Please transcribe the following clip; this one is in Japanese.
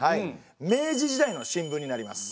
明治時代の新聞になります。